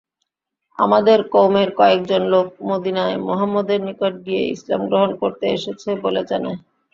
আমাদের কওমের কয়েকজন লোক মদীনায় মুহাম্মাদের নিকট গিয়ে ইসলাম গ্রহণ করতে এসেছে বলে জানায়।